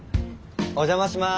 お邪魔します。